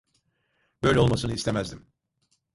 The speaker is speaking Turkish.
Böyle olmasını istemezdim.